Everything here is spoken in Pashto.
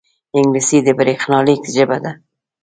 انګلیسي د بریښنالیک ژبه ده